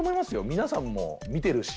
皆さんも見てるし。